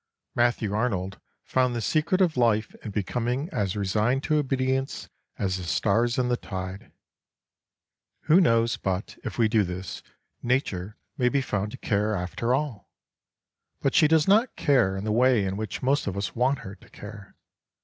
Matthew Arnold found the secret of life in becoming as resigned to obedience as the stars and the tide. Who knows but, if we do this, Nature may be found to care after all? But she does not care in the way in which most of us want her to care.